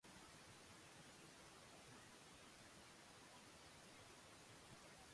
ウッタラーカンド州の冬季における州都はデヘラードゥーンである